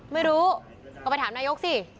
ไม่รู้ก็ไปถามนายกสิ